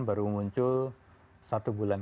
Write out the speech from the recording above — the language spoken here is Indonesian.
baru muncul satu bulan